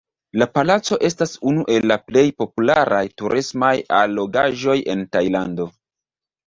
La palaco estas unu el la plej popularaj turismaj allogaĵoj en Tajlando.